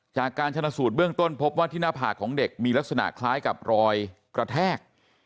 จากการชนะสูตรเบื้องต้นพบว่าที่หน้าผากของเด็กมีลักษณะคล้ายกับรอยกระแทก